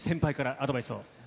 アドバイス？